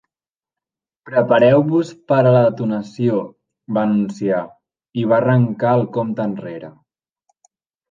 "Prepareu-vos per a la detonació", va anunciar, i va arrencar el compte enrere.